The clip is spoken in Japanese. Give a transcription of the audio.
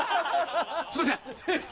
すいません！